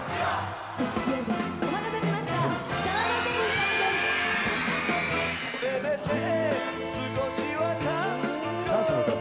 お待たせしました。